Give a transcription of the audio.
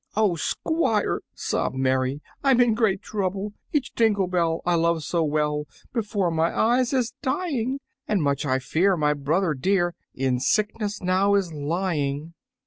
"Oh, Squire!" sobbed Mary, "I am in great trouble. "Each dingle bell I loved so well Before my eyes is dying, And much I fear my brother dear In sickness now is lying!"